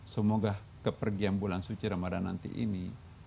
semoga kepergian bulan suci ramadan nanti ini